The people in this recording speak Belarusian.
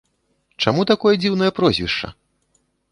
Чаму такое дзіўнае прозвішча?